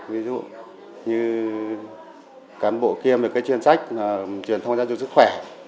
ví dụ như cán bộ kia một cái chuyên sách là truyền thông gia đình sức khỏe